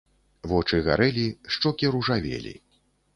Вочы гарэлі, шчокі ружавелі.